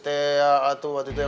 itu waktu itu kecelakaan